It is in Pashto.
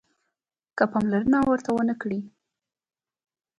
که پاملرنه ورته ونه کړئ